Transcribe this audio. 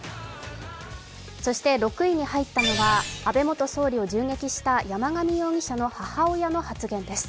そして６位に入ったのが安倍元総理を銃撃した山上容疑者の母親の発言です。